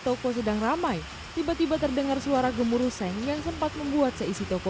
toko sedang ramai tiba tiba terdengar suara gemuruh seng yang sempat membuat seisi toko